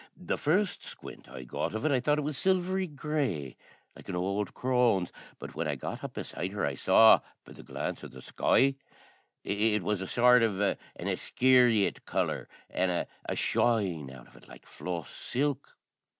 The first squint I got of it I thought it was silvery grey, like an ould crone's; but when I got up beside her I saw, be the glance o' the sky, it was a soart iv an Iscariot colour, an' a shine out of it like floss silk.